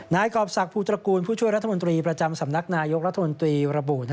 กรอบศักดิภูตระกูลผู้ช่วยรัฐมนตรีประจำสำนักนายกรัฐมนตรีระบุ